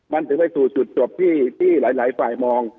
มันถึงไปสู่จุดจบที่หลายฝ่ายมอง